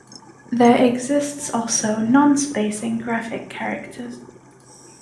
There exists also "non-spacing" graphic characters.